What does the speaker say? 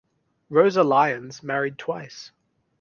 Rosa Lyons married twice.